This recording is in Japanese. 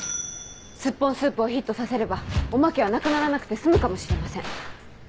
スッポンスープをヒットさせればおまけはなくならなくて済むかもしれません。